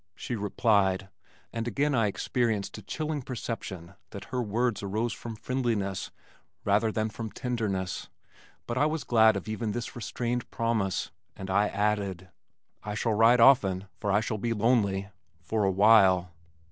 she replied, and again I experienced a chilling perception that her words arose from friendliness rather than from tenderness, but I was glad of even this restrained promise, and I added, "I shall write often, for I shall be lonely for a while."